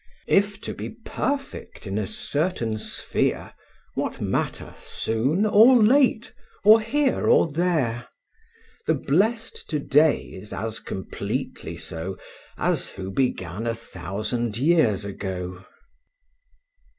If to be perfect in a certain sphere, What matter, soon or late, or here or there? The blest to day is as completely so, As who began a thousand years ago.